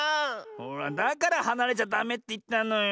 ほらだからはなれちゃダメっていったのよ。